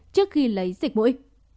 trước khi lấy dịch mũi